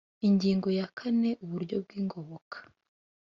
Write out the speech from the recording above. ingingo ya kane uburyo bw ingoboka